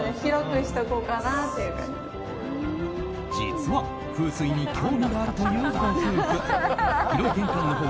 実は、風水に興味があるというご夫婦。